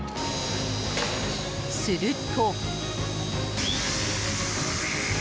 すると。